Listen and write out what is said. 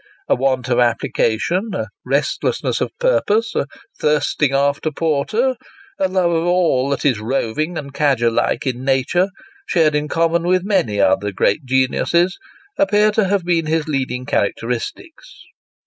A want of application, a restlessness of purpose, a thirsting after porter, a love of all that is roving and cadger like in nature, shared in common with many other great geniuses, appear to have been his leading characteristics.